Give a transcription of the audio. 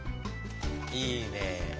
いいね。